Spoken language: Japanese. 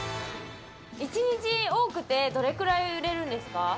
１日多くてどれくらい売れるんですか？